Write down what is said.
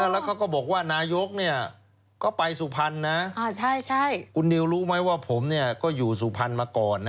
แล้วเขาก็บอกว่านายกก็ไปสุพรรณนะ